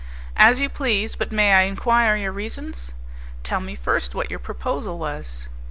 "As you please; but may I enquire your reasons?" "Tell me first what your proposal was."